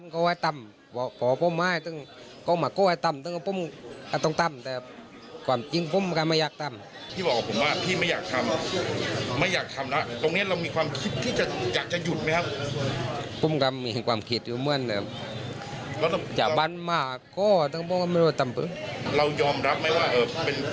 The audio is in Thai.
เกี่ยวกับธุรกิจเรื่องเงินเรื่องทองอะไรแบบนี้